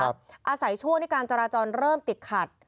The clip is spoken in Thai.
อาศัยช่วงที่การจราจรเริ่มติดขัด